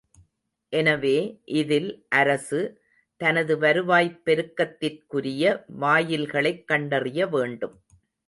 எனவே, இதில் அரசு, தனது வருவாய்ப் பெருக்கத்திற்குரிய வாயில்களைக் கண்டறிய வேண்டும்.